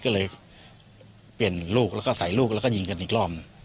ก็เลยเปลี่ยนลูกแล้วก็ใส่ลูกแล้วก็ยิงกันอีกรอบ